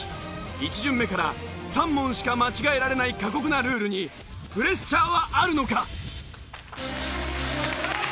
１巡目から３問しか間違えられない過酷なルールにプレッシャーはあるのか？